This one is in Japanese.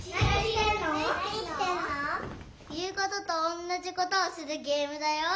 いうこととおんなじことをするゲームだよ。